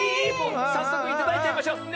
さっそくいただいちゃいましょ。ね！